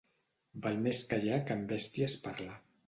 Val més callar que amb bèsties parlar.